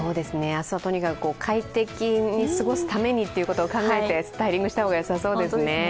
明日はとにかく快適に過ごすためにっていうことを考えてスタイリングした方がよさそうですね。